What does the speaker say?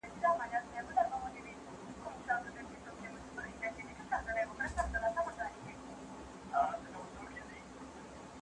هغه په خپله شاعرۍ کې د وخت غوښتنو ته ځواب ویلی و.